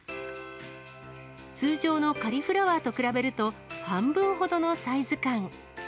通常のカリフラワーと比べると、半分ほどのサイズ感。